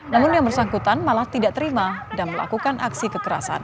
namun yang bersangkutan malah tidak terima dan melakukan aksi kekerasan